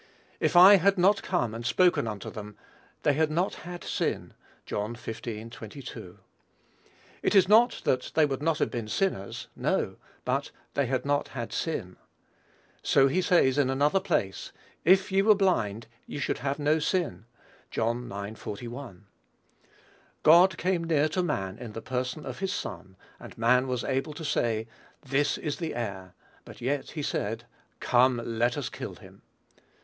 "If I had not come and spoken unto them, they had not had sin." (John xv. 22.) It is not that they would not have been sinners. No: but "they had not had sin." So he says in another place, "If ye were blind, ye should have no sin." (John ix. 41.) God came near to man in the person of his Son, and man was able to say, "this is the heir;" but yet he said, "come, let us kill him."